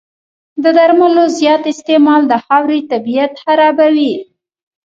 د درملو زیات استعمال د خاورې طبعیت خرابوي.